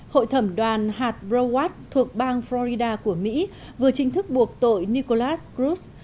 hội thẩm đoàn hart browatt thuộc bang florida của mỹ vừa chính thức buộc tội nicholas cruz